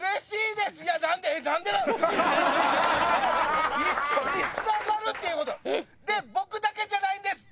で僕だけじゃないんです。